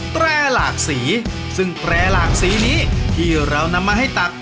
แตรหลากสีซึ่งแปรหลากสีนี้ที่เรานำมาให้ตัก